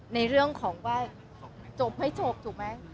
ในเรื่องของว่าจบให้จบถูกไหม